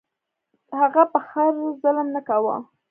هغه په خر ظلم نه کاوه.